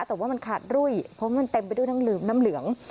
แต่ว่ามันขาดรุ่ยเพราะมันเต็มไปด้วยน้ำลืมน้ำเหลือง